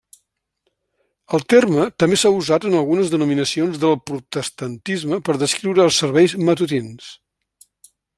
El terme també s'ha usat en algunes denominacions del protestantisme per descriure els serveis matutins.